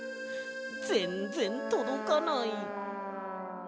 ぜんぜんとどかない。